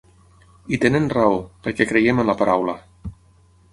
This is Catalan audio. I tenen raó, perquè creiem en la paraula.